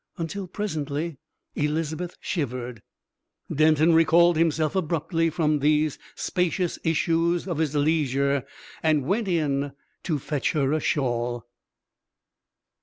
Until presently Elizabeth shivered. Denton recalled himself abruptly from these spacious issues of his leisure, and went in to fetch her a shawl.